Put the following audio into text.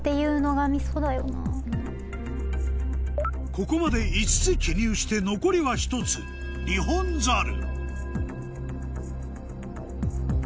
ここまで５つ記入して残りは１つ「ニホンザル」